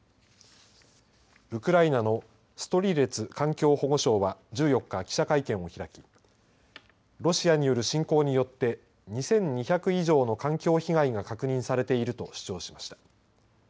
ウクライナのストリレツ環境保護相は１４日記者会見を開きロシアによる侵攻によって２２００以上の環境被害が確認されていると主張しました。